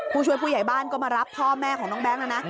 ผู้ช่วยผู้ใหญ่บ้านก็มารับพ่อแม่ของน้องแบงค์แล้วนะ